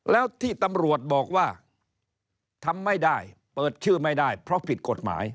แล้วที่ตำรวจบอกว่าทำไม่ได้เปิดชื่อไม่ได้เพราะผิดกฎหมาย